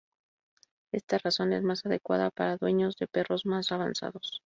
Esta raza es más adecuada para dueños de perros más avanzados.